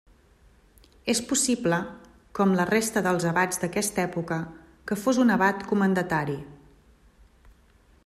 És possible, com la resta dels abats d'aquesta època, que fos un abat comendatari.